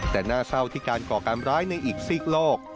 แต่น่าเศร้าที่การก่อการร้ายในอีกซีกโลก